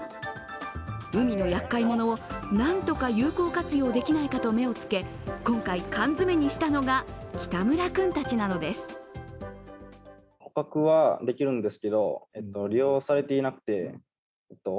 海のやっかい者を何とか有効活用できないかと目をつけ、今回、缶詰にしたのが北村君たちなのです。